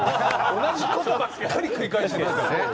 同じことばかり繰り返してる。